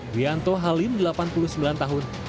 rianto halim delapan puluh sembilan tahun